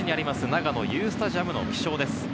長野Ｕスタジアムの気象です。